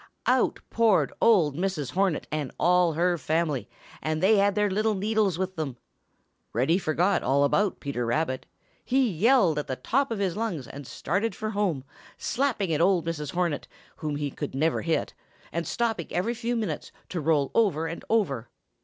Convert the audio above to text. Out poured old Mrs. Hornet and all her family, and they had their little needles with them. Reddy forgot all about Peter Rabbit. He yelled at the top of his lungs and started for home, slapping at old Mrs. Hornet, whom he never could hit, and stopping every few minutes to roll over and over.